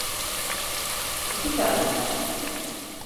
İki tane.